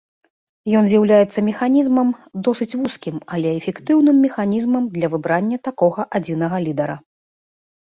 Ён з'яўляецца механізмам, досыць вузкім, але эфектыўным механізмам для выбрання такога адзінага лідара.